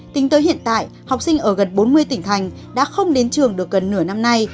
tính tới hiện tại học sinh ở gần bốn mươi tỉnh thành đã không đến trường được gần nửa năm nay